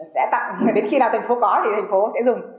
sẽ tặng đến khi nào thành phố có thì thành phố sẽ dùng